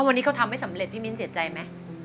วันนี้เขาทำไม่สำเร็จพี่มิ้นเสียใจไหม